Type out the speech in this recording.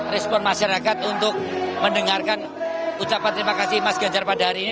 respon masyarakat untuk mendengarkan ucapan terima kasih mas ganjar pada hari ini